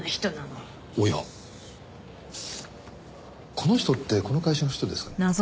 この人ってこの会社の人ですかね？